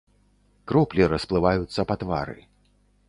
Кроплі расплываюцца па твары.